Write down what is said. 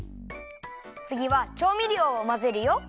つぎはちょうみりょうをまぜるよ！